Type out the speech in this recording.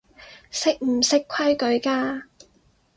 識唔識規矩㗎